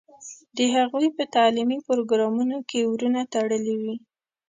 د هغوی په تعلیمي پروګرامونو کې ورونه تړلي وي.